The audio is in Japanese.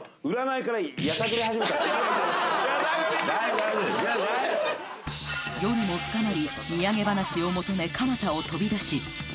いや大丈夫夜も深まりみやげ話を求め蒲田を飛び出し